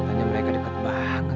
jangan dekatin ayahmu